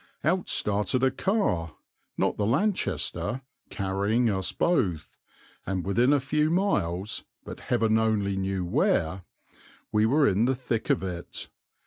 Out started a car, not the Lanchester, carrying us both; and within a few miles, but Heaven only knew where, we were in the thick of it.